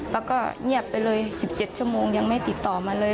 แล้วก็เงียบไปเลย๑๗ชั่วโมงยังไม่ติดต่อมาเลย